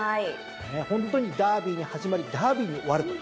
ホントにダービーに始まりダービーに終わると。